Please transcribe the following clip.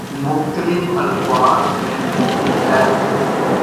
مختلف الفاظ میں ملتی ہے